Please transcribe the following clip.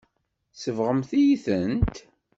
Tsebɣem-iyi-tent.